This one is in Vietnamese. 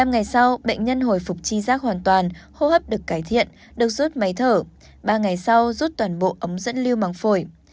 một mươi ngày sau bệnh nhân hồi phục chi giác hoàn toàn hô hấp được cải thiện được rút máy thở ba ngày sau rút toàn bộ ống dẫn lưu màng phổi